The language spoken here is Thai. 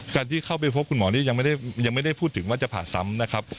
การที่เข้าไปพบคุณหมอนี่ยังไม่ได้พูดถึงว่าจะผ่าซ้ำนะครับ